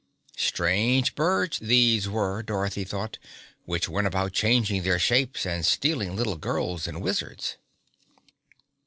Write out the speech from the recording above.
Strange birds these were, Dorothy thought, which went about changing their shapes and stealing little girls and Wizards.